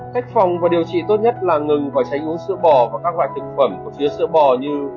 cách phòng và điều trị tốt nhất là ngừng và tránh uống sữa bò và các loại thực phẩm có chứa sữa bò như